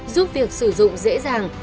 giúp việc sử dụng dễ dàng